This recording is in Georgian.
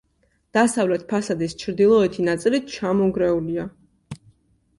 დასავლეთ ფასადის ჩრდილოეთი ნაწილი ჩამონგრეულია.